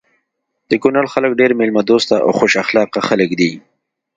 د کونړ خلک ډير ميلمه دوسته او خوش اخلاقه خلک دي.